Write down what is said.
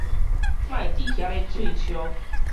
莫佇遐咧喙 𪁎